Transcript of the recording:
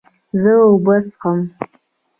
زه اوبه څښم